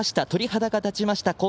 鳥肌が立ちました。